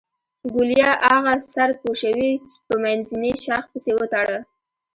ګوليه اغه سر پوشوې په منځني شاخ پسې وتړه.